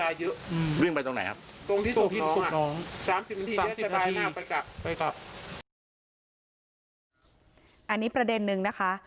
อันนี้ประเด็นนึงนะคะ